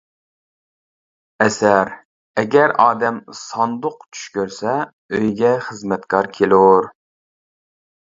ئەسەر ئەگەر ئادەم ساندۇق چۈش كۆرسە ئۆيىگە خىزمەتكار كېلۇر.